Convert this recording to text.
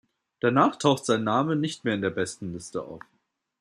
Danach taucht sein Name nicht mehr in den Bestenlisten auf.